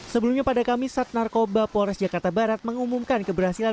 sebelumnya pada kamisat narkoba pores jakarta barat mengumumkan keberhasilan